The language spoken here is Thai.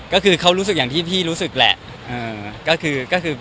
ก็คือเขารู้สึกอย่างที่พี่รู้สึกแหละ